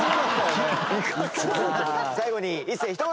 最後に一世ひと言！